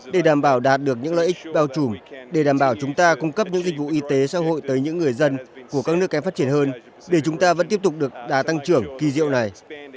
để đảm bảo đạt được những lợi ích bao trùm để đảm bảo chúng ta cung cấp những dịch vụ y tế xã hội tới những người dân của các nước kém phát triển hơn để chúng ta vẫn tiếp tục được đá tăng trưởng kỳ diệu này